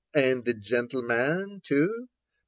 and de gentleman too ?